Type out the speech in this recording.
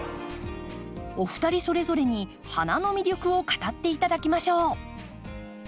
お二人それぞれに花の魅力を語って頂きましょう。